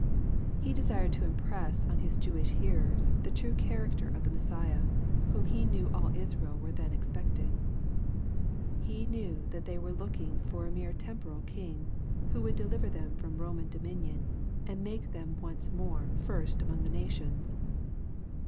He desired to impress on His Jewish hearers^ the true character of the Messiah, whom He knew all Israel were then expecting. He well knew that thej were look ing for a mere temporal king, who would deUver them from Boman dominion, and make them once more first among the nations.